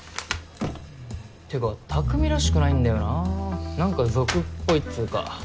てか匠らしくないんだよな何か俗っぽいっつうか。